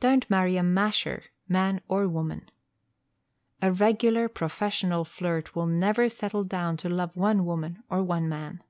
Don't marry a "masher" man or woman. A regular professional flirt will never settle down to love one woman or one man.